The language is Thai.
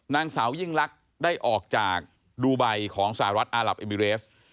นางสาวยิ่งลักษณ์ได้ออกจากดูไบของสหรัฐอาหลับเอมิเรส